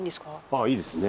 ああいいですね。